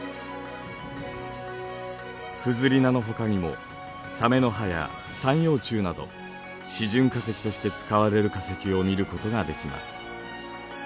フズリナのほかにもサメの歯や三葉虫など示準化石として使われる化石を見ることができます。